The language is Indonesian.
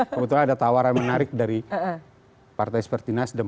kebetulan ada tawaran menarik dari partai seperti nasdem